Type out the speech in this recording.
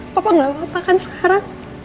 bapak gak apa apa kan sekarang